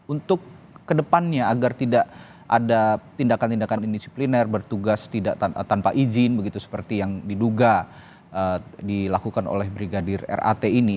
untuk kedepannya agar tidak ada tindakan tindakan indisipliner bertugas tidak tanpa izin begitu seperti yang diduga dilakukan oleh brigadir rat ini